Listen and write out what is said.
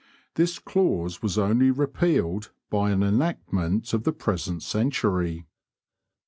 This clause was only repealed by an enactment of the present century.